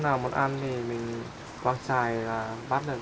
lúc nào muốn ăn thì mình khoảng trài là bắt được